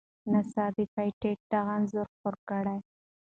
ناسا د پېټټ دغه انځور خپور کړ.